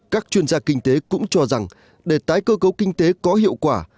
các chuyên gia kinh tế cũng cho rằng để tái cơ cấu kinh tế có hiệu quả